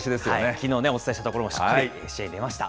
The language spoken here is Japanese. きのうね、お伝えしたところも、しっかり試合に出ました。